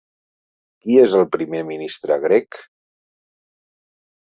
Qui és el primer ministre grec?